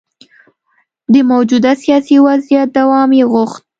د موجوده سیاسي وضعیت دوام یې غوښت.